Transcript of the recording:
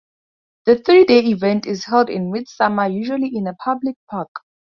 The three-day event is held in mid-summer, usually in a public park.